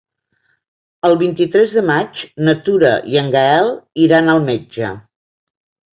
El vint-i-tres de maig na Tura i en Gaël iran al metge.